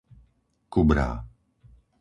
Kubrá